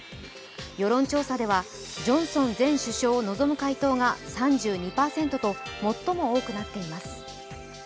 世論調査ではジョンソン前首相を望む回答が３２％と最も多くなっています。